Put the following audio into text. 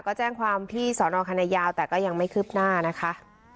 ก็แจ้งความที่สอนอคณะยาวแต่ก็ยังไม่คืบหน้านะคะ